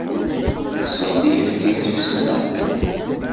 Tesseɣli-ak deg tfesna.